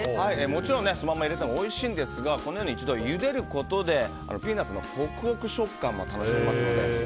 もちろんそのまま入れてもおいしいんですけどこのように一度、ゆでることでピーナツのホクホク食感も楽しめますので。